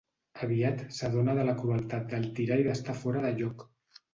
Aviat s'adona de la crueltat del tirà i d'estar fora de lloc.